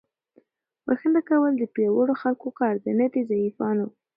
بښنه کول د پیاوړو خلکو کار دی، نه د ضعیفانو.